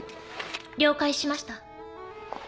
了解しました。